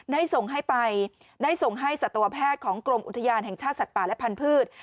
ได้ส่งให้ไปได้ส่งให้สัตวแพทย์ของกรมอุทยานแห่งชาติสัตว์ป่าและพันธุ์